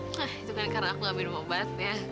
nah itu kan karena aku ambil obat ya